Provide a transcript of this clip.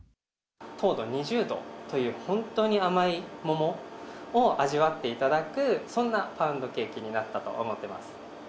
糖度２０度という本当に甘い桃を味わっていただく、そんなパウンドケーキになったと思っています。